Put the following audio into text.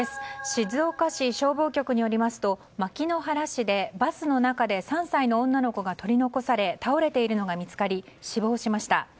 静岡市消防局によりますと牧之原市でバスの中で３歳の女の子が取り残され倒れているのが見つかり死亡しました。